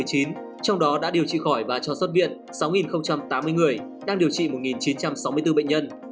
trong đó đã điều trị khỏi và cho xuất viện sáu tám mươi người đang điều trị một chín trăm sáu mươi bốn bệnh nhân